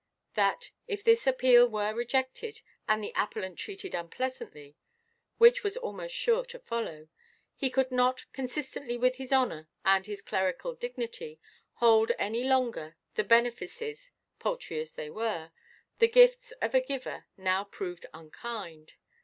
That, if this appeal were rejected, and the appellant treated unpleasantly—which was almost sure to follow—he could not, consistently with his honour and his clerical dignity, hold any longer the benefices (paltry as they were), the gifts of a giver now proved unkind.